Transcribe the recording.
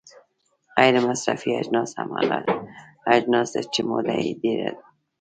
غیر مصرفي اجناس هغه اجناس دي چې موده یې ډیره وي.